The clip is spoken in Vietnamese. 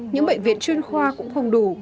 những bệnh viện chuyên khoa cũng không đủ